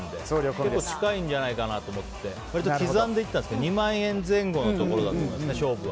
結構近いんじゃないかなと思って刻んでいったんですけど２万円前後のところだと思うんです、勝負は。